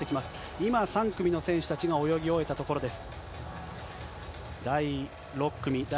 今、３組の選手たちが泳ぎ終えたところです。